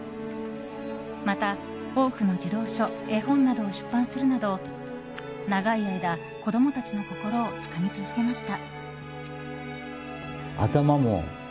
また、多くの児童書・絵本などを出版するなど長い間、子供たちの心をつかみ続けました。